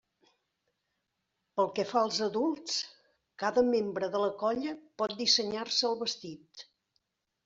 Pel que fa als adults, cada membre de la colla pot dissenyar-se el vestit.